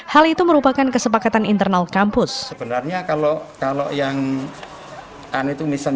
hal itu merupakan kesepakatan internal kami